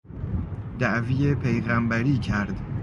دعوی پیغمبری کرد